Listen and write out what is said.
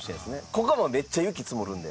ここはもうめっちゃ雪積もるんで。